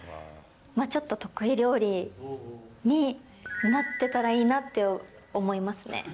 ちょっと得意料理になってたらいいなって思いますね。